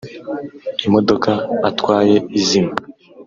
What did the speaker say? imodoka atwaye izima